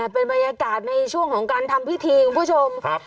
เป็นบรรยากาศในช่วงของการทำพิธีคุณผู้ชม